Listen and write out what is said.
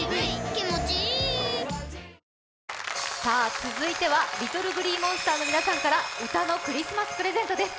続いてはＬｉｔｔｌｅＧｌｅｅＭｏｎｓｔｅｒの皆さんから歌のクリスマスプレゼントです。